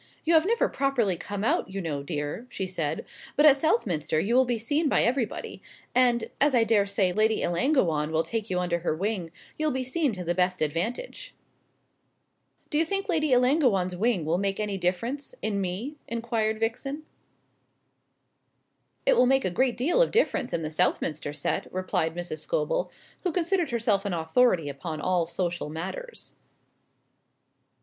"You have never properly come out, you know, dear," she said; "but at Southminster you will be seen by everybody; and, as I daresay Lady Ellangowan will take you under her wing, you'll be seen to the best advantage." "Do you think Lady Ellangowan's wing will make any difference in me?" inquired Vixen. "It will make a great deal of difference in the Southminster set," replied Mrs. Scobel, who considered herself an authority upon all social matters.